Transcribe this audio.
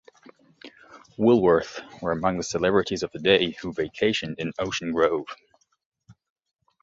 Woolworth were among the celebrities of the day who vacationed in Ocean Grove.